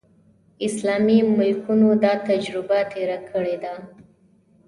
اسلامي ملکونو دا تجربه تېره کړې ده.